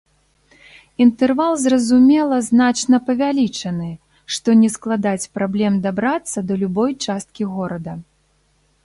Інтэрвал, зразумела, значна павялічаны, што не складаць праблем дабрацца да любой часткі горада.